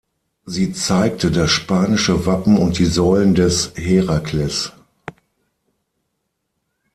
Sie zeigte das spanische Wappen und die Säulen des Herakles.